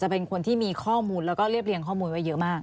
เป็นคนที่มีข้อมูลแล้วก็เรียบเรียงข้อมูลไว้เยอะมาก